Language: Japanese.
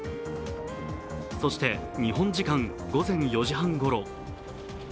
そして、日本時間午前４時半ごろ。